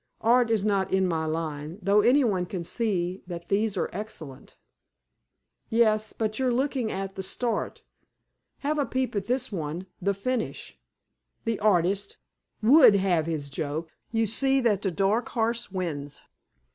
"Art is not in my line, though anyone can see that these are excellent." "Yes. But you're looking at 'The Start.' Have a peep at this one, 'The Finish.' The artist would have his joke. You see that the dark horse wins."